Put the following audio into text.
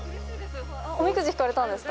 おみくじ引かれたんですか。